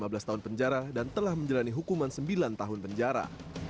lima belas tahun penjara dan telah menjalani hukuman sembilan tahun penjara